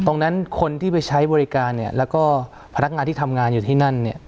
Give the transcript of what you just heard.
คนที่ไปใช้บริการเนี่ยแล้วก็พนักงานที่ทำงานอยู่ที่นั่นเนี่ย